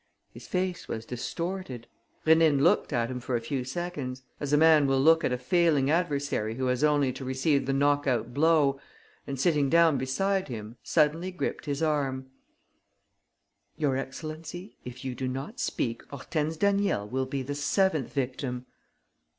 His face was distorted. Rénine looked at him for a few seconds, as a man will look at a failing adversary who has only to receive the knock out blow, and, sitting down beside him, suddenly gripped his arm: "Your excellency, if you do not speak, Hortense Daniel will be the seventh victim."